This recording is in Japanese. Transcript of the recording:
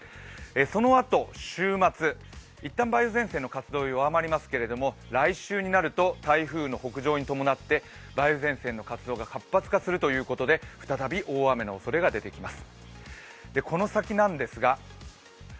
そのあと、週末、一旦梅雨前線の活動は弱まりますけれども来週になると、台風の北上にともなって梅雨前線の活動が活発化するということで再び大雨の恐れが出てきます。